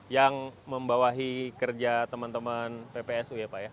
yang membawahi kerja teman teman ppsu ya pak ya